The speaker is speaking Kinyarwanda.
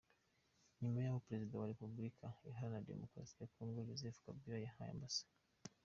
Nyuma y’aho Perezida wa Repubulika Iharanira Demokarasi ya Congo, Joseph Kabila, yahaye Amb.